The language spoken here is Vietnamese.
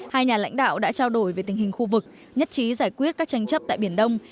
hai nhà lãnh đạo đã trao đổi về tình hình khu vực nhất trí giải quyết các tranh chấp tại biển đông